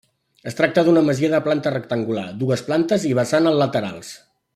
Es tracta d’una masia de planta rectangular, dues plantes i vessant a laterals.